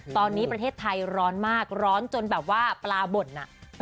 ตอนนี้ประเทศไทยร้อนมากร้อนจนแบบว่าปลาบ่นอ่ะ